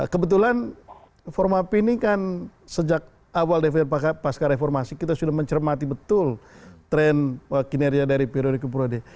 kebetulan forma p ini kan sejak awal pasca reformasi kita sudah mencermati betul tren kinerja dari periode ke periode